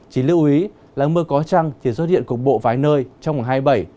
chỉ lưu ý là mưa có trăng thì xuất hiện cục bộ vái nơi trong ngày hai mươi bảy